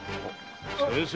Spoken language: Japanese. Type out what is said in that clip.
先生！